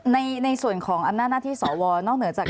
ในส่วนของอำนาที่สวนอกเหนือจากการเลือกนายก